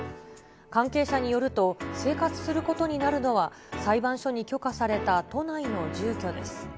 関係者によると、生活することになるのは、裁判所に許可された都内の住居です。